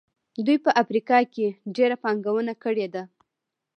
دوی په افریقا کې ډېره پانګونه کړې ده.